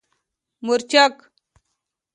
🌶 مورچک